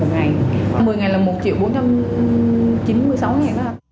một mươi ngày là một triệu bốn trăm chín mươi sáu ngàn đó